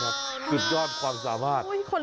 ทำได้ครับคุณยอดความสามารถ